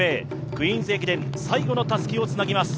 クイーンズ駅伝、最後のたすきをつなぎます。